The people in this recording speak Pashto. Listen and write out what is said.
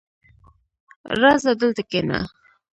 • راځه، دلته کښېنه.